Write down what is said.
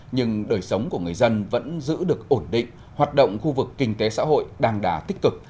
nhưng đời sống của người dân vẫn giữ được ổn định hoạt động khu vực kinh tế xã hội đàng đà tích cực